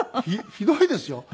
ひどいですよ。